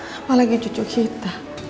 apalagi cucu kita